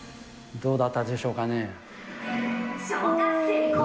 どうだったでしょうかね。